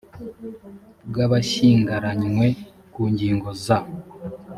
bw’abashyingaranywe ku ngingo za